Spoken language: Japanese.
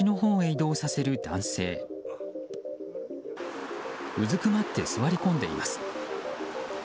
うずくまって座り込んでいます。